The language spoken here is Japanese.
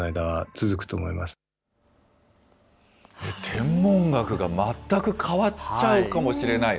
天文学が全く変わっちゃうかもしれない。